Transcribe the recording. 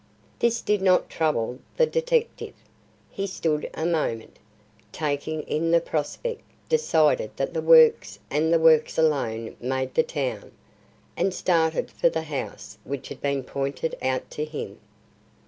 This did not trouble the detective. He stood a moment, taking in the prospect; decided that the Works and the Works alone made the town, and started for the house which had been pointed out to him.